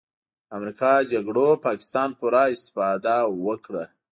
د امریکا جګړو نه پاکستان پوره استفاده وکړله